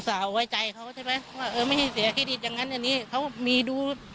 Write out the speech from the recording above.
อุตส่าห์ไว้ใจเขาใช่ไหมว่าเออไม่ได้เสียคิดอีกอย่างงั้นอันนี้เขามีดู